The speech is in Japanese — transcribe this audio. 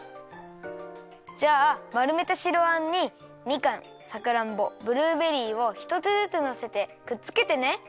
じゃあまるめた白あんにみかんさくらんぼブルーベリーをひとつずつのせてくっつけてね。